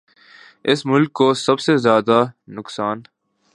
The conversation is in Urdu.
اس ملک کو سب سے زیادہ نقصان